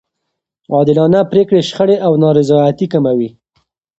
عادلانه پرېکړې شخړې او نارضایتي کموي.